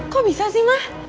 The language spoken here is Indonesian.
kok bisa sih mah